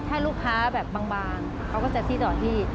ถ้าลูกค้าแบบบางเขาก็จะซี่ดอนพี่